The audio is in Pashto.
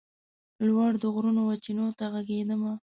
لوړ د غرونو وچېنو ته ږغېدمه